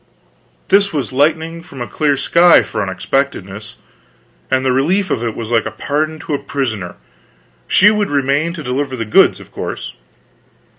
This was lightning from a clear sky, for unexpectedness; and the relief of it was like pardon to a prisoner. She would remain to deliver the goods, of course.